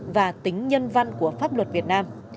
và tính nhân văn của pháp luật việt nam